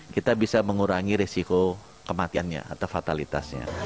kita bisa mengurangi risiko kematiannya atau fatalitasnya